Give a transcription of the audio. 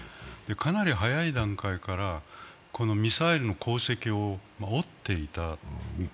かなり早い段階からミサイルの航跡を追っていた。